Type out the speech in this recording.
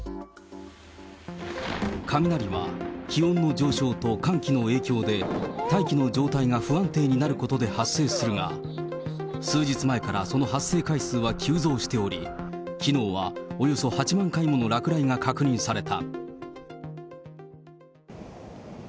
雷は気温の上昇と寒気の影響で、大気の状態が不安定になることで発生するが、数日前からその発生回数は急増しており、きのうはおよそ８万回もの落雷が確認された。